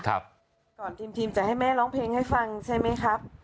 ก่อนทีมจะให้แม่ร้องเพลงให้ฟังใช่ไหมครับ